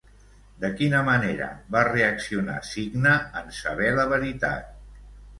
De quina manera va reaccionar Cicne en saber la veritat?